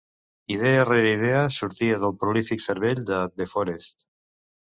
Idea rere idea sortia del prolífic cervell de De Forest.